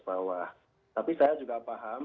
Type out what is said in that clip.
bawah tapi saya juga paham